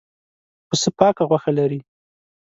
پسه پاکه غوښه لري.